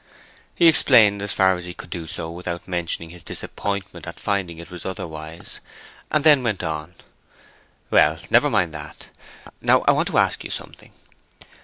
He explained, as far as he could do so without mentioning his disappointment at finding it was otherwise; and then went on: "Well, never mind that. Now I want to ask you something.